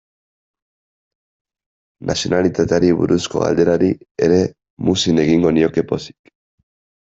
Nazionalitateari buruzko galderari ere muzin egingo nioke pozik.